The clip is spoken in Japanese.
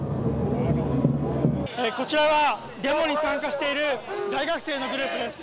こちらはデモに参加している大学生のグループです。